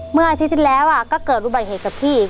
เมื่ออาทิตย์ที่แล้วก็เกิดอุบัติเหตุกับพี่